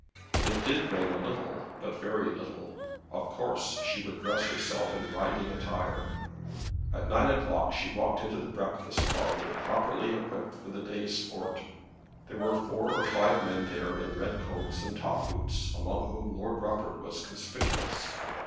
It did rain a little but very little. Of course she would dress herself in riding attire. At nine o'clock she walked into the breakfast parlour properly equipped for the day's sport. There were four or five men there in red coats and top boots, among whom Lord Rufford was conspicuous.